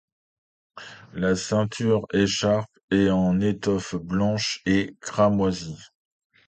La ceinture-écharpe est en étoffe blanche et cramoisie.